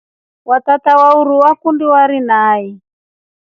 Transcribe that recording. Watata wa uruu vakundi warii naqi.